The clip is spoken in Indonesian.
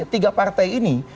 tiga partai ini